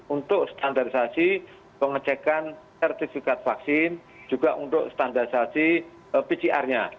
untuk standarisasi pengecekan sertifikat vaksin juga untuk standarisasi pcr nya